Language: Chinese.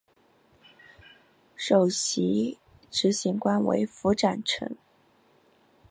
首席执行官为符展成。